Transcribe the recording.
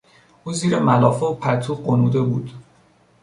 او زیر ملافه و پتو غنوده بود.